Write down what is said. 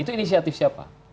itu inisiatif siapa